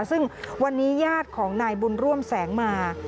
ซึ่งวันนี้ญาติของนายบุญร่วมแสงมา